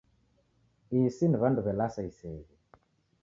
Isi ni w'andu w'e lasa iseghe